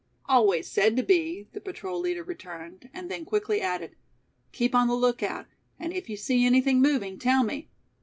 "Always said to be," the patrol leader returned, and then quickly added. "Keep on the lookout, and if you see anything moving, tell me.